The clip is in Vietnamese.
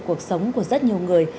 cuộc sống của rất nhiều người